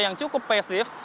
yang cukup pasif